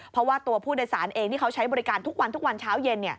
เพราะว่าตัวผู้โดยสารเองที่เขาใช้บริการทุกวันทุกวันเช้าเย็น